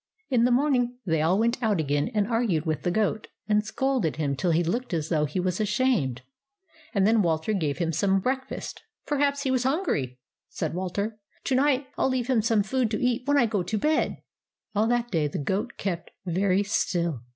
In the morning they all went out again and argued with the goat, and scolded him till he looked as though he was ashamed ; and then Walter gave him some breakfast. " Perhaps he was hungry," said Walter. " To night I '11 leave him some food to eat when I go to bed." All that day the goat kept very still.